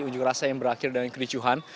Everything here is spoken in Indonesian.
unjuk rasa yang berakhir dengan kericuhan